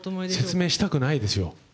説明したくないですよ。